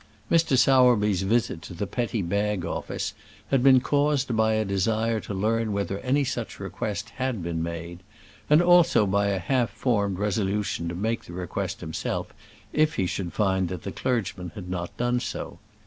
Mr. Sowerby's visit to the Petty Bag Office had been caused by a desire to learn whether any such request had been made, and also by a half formed resolution to make the request himself if he should find that the clergyman had not done so.